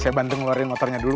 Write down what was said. saya bantu ngeluarin motornya dulu